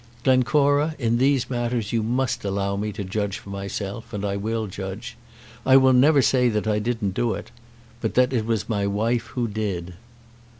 "Glencora, in these matters you must allow me to judge for myself, and I will judge. I will never say that I didn't do it; but that it was my wife who did."